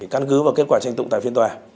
căn cứ và kết quả tranh tụng tại phiên tòa